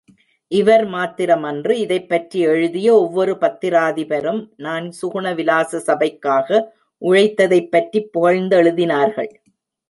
இவர் மாத்திரமன்று இதைப் பற்றி எழுதிய ஒவ்வொரு பத்திராதிபரும் நான் சுகுண விலாச சபைக்காக உழைத்ததைப்பற்றிப் புகழ்ந்தெழுதினார்கள்.